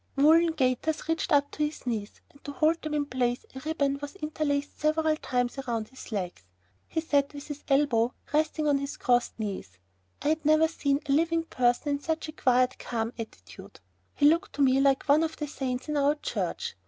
Woolen gaiters reached up to his knees, and to hold them in place a ribbon was interlaced several times round his legs. He sat with his elbow resting on his crossed knees. I had never seen a living person in such a quiet calm attitude. He looked to me like one of the saints in our Church.